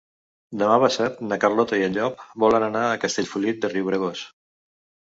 Demà passat na Carlota i en Llop volen anar a Castellfollit de Riubregós.